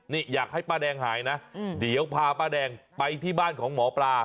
นี่อยากให้ป้าแดงหายนะเดี๋ยวพาป้าแดงไปที่บ้านของหมอปลา